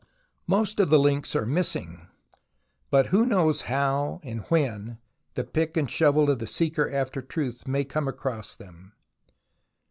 Most of the links are missing, but who knows how and when the pick and shovel of the seeker after truth may come across them